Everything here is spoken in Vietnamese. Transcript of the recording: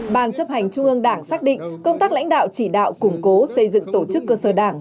ban chấp hành trung ương đảng xác định công tác lãnh đạo chỉ đạo củng cố xây dựng tổ chức cơ sở đảng